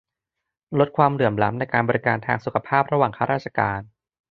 ลดความเหลื่อมล้ำในการบริการสุขภาพระหว่างข้าราชการ